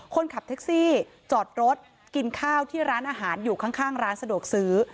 คนขับแท็กซี่จอดรถกินข้าวที่ร้านอาหารอยู่ข้างร้านสะดวกซื้อ